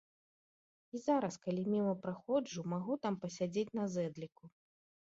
І зараз, калі міма праходжу, магу там пасядзець на зэдліку.